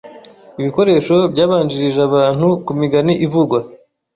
ibikoresho byabanjirije abantu kumigani ivugwa